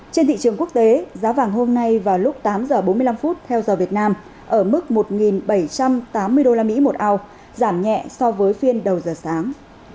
trên thị trường quốc tế giá vàng hôm nay vào lúc tám giờ bốn mươi năm theo giờ việt nam ở mức một bảy trăm tám mươi usd một oun giảm nhẹ so với phiên đầu giờ sáng